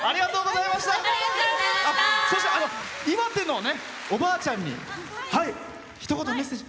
岩手のおばあちゃんにひと言メッセージ。